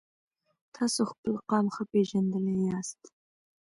تاسو خپل قام ښه پیژندلی یاست.